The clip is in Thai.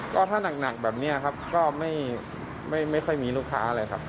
ก็ถ้าหนักแบบนี้ครับก็ไม่ค่อยมีลูกค้าอะไรครับ